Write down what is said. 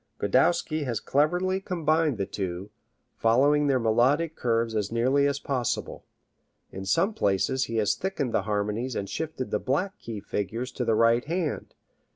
Godowsky has cleverly combined the two, following their melodic curves as nearly as is possible. In some places he has thickened the harmonies and shifted the "black key" figures to the right hand.